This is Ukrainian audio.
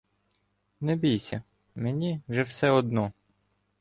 Не бійся — мені вже все одно.